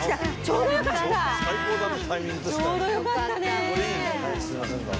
ちょうど良かったね。